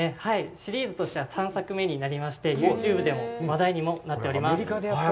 シリーズとしては３作目となりまして、ユーチューブでも話題にもなっております。